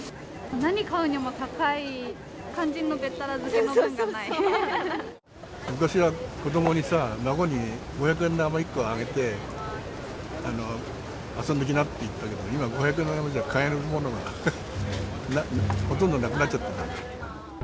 何買うにも高い、昔は、子どもにさ、孫に、五百円玉１個あげてさ、遊んできなって言ったけど、今、五百円玉じゃ買えるものがほとんどなくなっちゃってる。